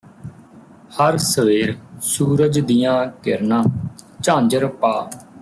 ਹਰ ਸਵੇਰ ਸੂਰਜ ਦੀਆਂ ਕਿਰਨਾਂ ਝਾਂਜਰ ਪਾ